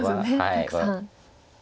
たくさん。